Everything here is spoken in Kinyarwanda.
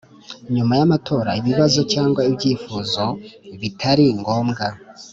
Nyuma yamatora ibibazo cyangwa ibyifuzo bitari ngombwa